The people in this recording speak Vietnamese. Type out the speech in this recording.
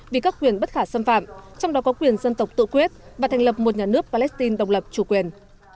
vì các quyền bất khả xâm phạm trong đó có quyền dân tộc tự quyết và thành lập một nhà nước palestine đồng lập chủ quyền